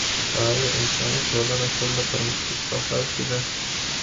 ايا انساني ټولنه تل د پرمختګ په حال کي ده؟